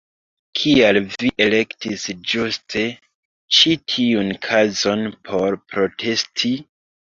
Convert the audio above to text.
Kial vi elektis ĝuste ĉi tiun kazon por protesti?